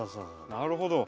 なるほど。